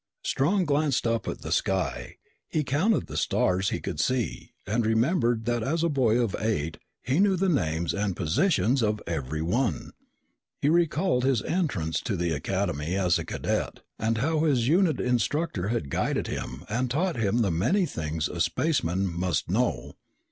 Strong glanced up at the sky. He counted the stars he could see and he remembered that as a boy of eight he knew the names and positions of every one. He recalled his entrance to the Academy as a cadet and how his unit instructor had guided him and taught him the many things a spaceman must know.